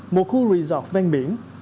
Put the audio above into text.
một khu resort vang biển